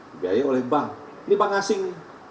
dibiayai oleh bank ini bank asing